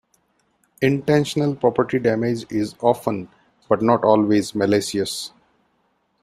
Intentional property damage is often, but not always, malicious.